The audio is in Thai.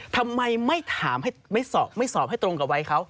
ทำไมไม่ถามไม่สอบให้ตรงกับวัยเขา